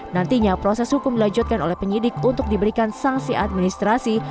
nantinya proses hukum dilanjutkan oleh penyidik untuk diberikan sanksi administrasi